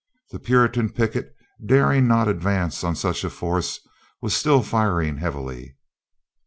The Puritan picket, daring not advance on such a force, was still firing heavily.